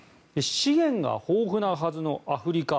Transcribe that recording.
資源が豊富なはずのアフリカ。